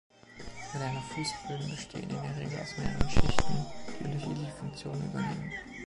Moderne Fußböden bestehen in der Regel aus mehreren Schichten, die unterschiedliche Funktionen übernehmen.